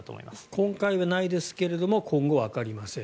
今回はないですが今後、わかりません。